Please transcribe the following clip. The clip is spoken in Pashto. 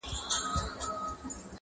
كوم شېرشاه توره ايستلې ځي سسرام ته!.